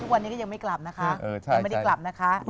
วันนี้ก็ยังไม่กลับนะคะยังไม่ได้กลับนะคะ